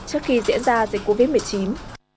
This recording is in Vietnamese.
trước khi diễn ra dịch covid một mươi chín